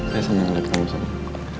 saya sama yang elektronik